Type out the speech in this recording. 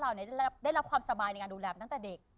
ได้รับความสบายในการดูแลตั้งแต่เด็ก